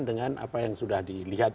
dengan apa yang sudah dilihat